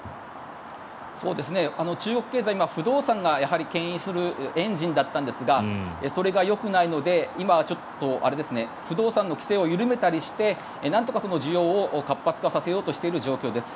中国経済、不動産がけん引するエンジンだったんですがそれがよくないので今はちょっと不動産の規制を緩めたりしてなんとか需要を活発化させようとしている状況です。